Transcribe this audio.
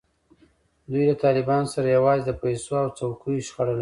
دوی له طالبانو سره یوازې د پیسو او څوکیو شخړه لري.